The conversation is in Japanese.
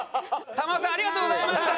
珠緒さんありがとうございました！